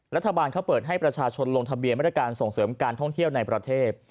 รัฐบาลเขาเปิดให้ประชาชนลงทะเบียนมาตรการส่งเสริมการท่องเที่ยวในประเทศ